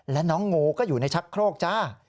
และน้องงูก็อยู่ในชักโครกจ้า